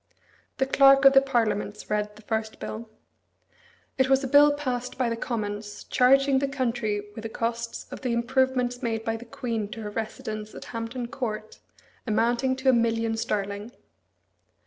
The Clerk of the Parliaments read the first bill. It was a bill passed by the Commons, charging the country with the costs of the improvements made by the Queen to her residence at Hampton Court, amounting to a million sterling.